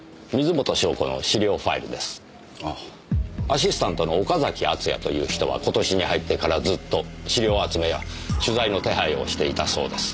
アシスタントの岡崎敦也という人は今年に入ってからずっと資料集めや取材の手配をしていたそうです。